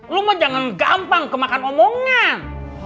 lu mah jangan gampang kemakan omongan